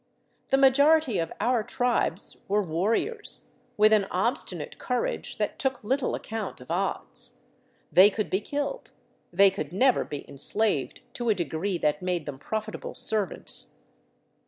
The majority of our tribes were warriors, with an obstinate courage that took Httle account of odds. They could be killed ; they could never be enslaved to a degree that made them profitable servants.